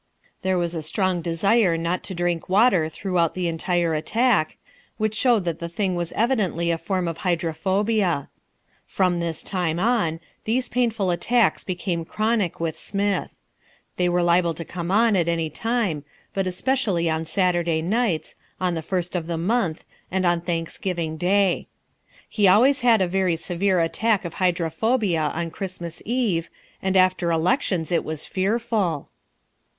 There was a strong desire not to drink water throughout the entire attack, which showed that the thing was evidently a form of hydrophobia. From this time on, these painful attacks became chronic with Smith. They were liable to come on at any time, but especially on Saturday nights, on the first of the month, and on Thanksgiving Day. He always had a very severe attack of hydrophobia on Christmas Eve, and after elections it was fearful.